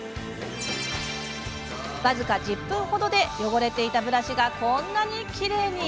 僅か１０分程で汚れていたブラシがこんなにきれいに。